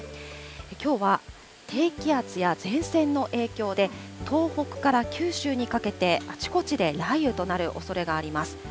きょうは低気圧や前線の影響で、東北から九州にかけて、あちこちで雷雨となるおそれがあります。